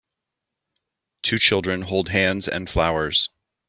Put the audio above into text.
two children hold hands and flowers.